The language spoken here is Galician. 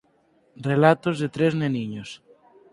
Relatos de tres neniños